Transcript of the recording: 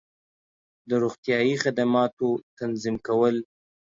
د روغتیایی خدماتو تنظیم کول